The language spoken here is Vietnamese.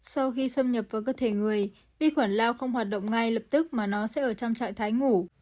sau khi xâm nhập vào cơ thể người vi khuẩn lao không hoạt động ngay lập tức mà nó sẽ ở trong trạng thái ngủ